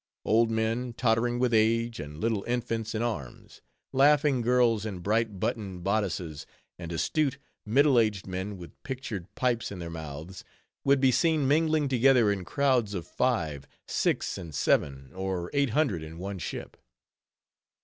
Old men, tottering with age, and little infants in arms; laughing girls in bright buttoned bodices, and astute, middle aged men with pictured pipes in their mouths, would be seen mingling together in crowds of five, six, and seven or eight hundred in one ship.